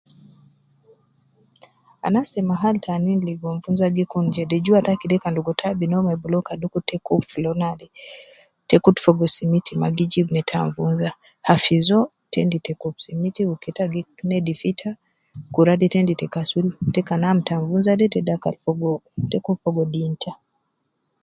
Anas te mahal tanin ligo nvunza gi kun jede, juwa taki de logo kan taabin uwo me boloka dukur te kub floor naade, tekutu fogo siminti ma gijib neeta nvunza, hafizo, tendi te kub siminti wu keeta gi nedif ita, kura de tendi te kasul tekan amta nvunza de ta dakal fogo, takub fogo dinta